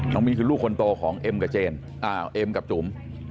น้องมิ้นคือลูกคนโตของเอ็มกับจุ๋ม